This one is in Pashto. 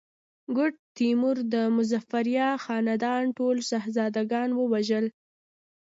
ګوډ تیمور د مظفریه خاندان ټول شهزاده ګان ووژل.